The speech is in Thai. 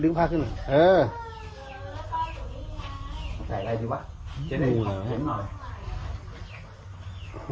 ชูคอเอาอย่างงี้มั้ย